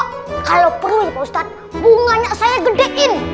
kalo perlu ya pak ustadz bunganya saya gedein